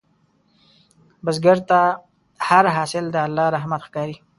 بزګر ته هر حاصل د الله رحمت ښکاري